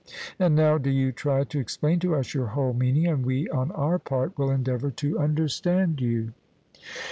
And now do you try to explain to us your whole meaning, and we, on our part, will endeavour to understand you.